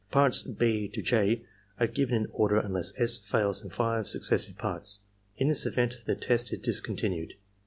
Parts (6) to {j) are given in order unless S. fails in 5 successive parts. In this event the test is discontinued.